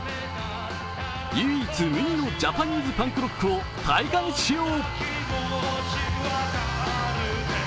唯一無二のジャパニーズパンクロックを体感しよう。